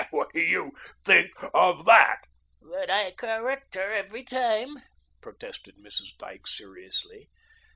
What do you THINK of THAT?" "But I correct her every time," protested Mrs. Dyke seriously.